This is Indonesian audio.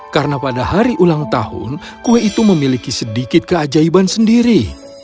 karena pada hari ulang tahun kue itu memiliki sedikit keajaiban sendiri